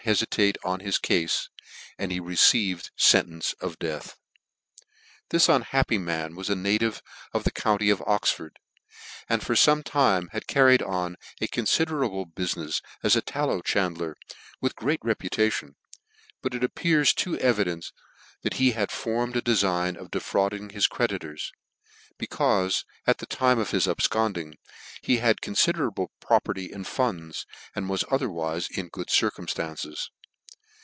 e fitate on his cale, and he received fentence of death. This unhappy man was a native of the county of Oxford, and for forre time haj carried on a confiderable bufinefs as a tallow chandler with great reputation j but it appears too evident that he had tormcd a dcfign of defrauding his credi tors; beciufe, at the dine of h^s ablccnding, he had confider;'ble property in the funds, and was otherwife in good circuuUtances.